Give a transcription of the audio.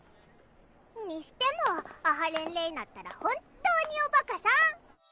にしても阿波連れいなったら本っ当におバカさん。